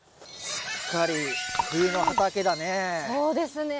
すっかり冬の畑だねぇ。